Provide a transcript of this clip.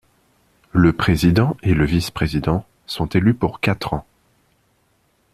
Le Président et le vice-président sont élus pour quatre ans.